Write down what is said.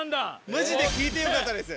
マジで聞いてよかったです。